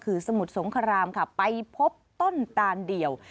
คือสมุทรสงครามค่ะไปพบต้นตานเดี่ยว